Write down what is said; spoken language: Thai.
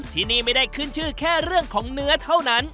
ที่นี่ไม่ได้ขึ้นชื่อแค่เรื่องของเนื้อเท่านั้น